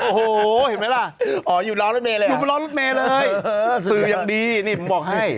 โอ้โหเห็นไหมล่ะอยู่ร้อนรุ่นเมล์เลยสื่ออย่างดีนี่ผมบอกให้